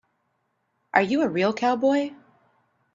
Are you a real cowboy?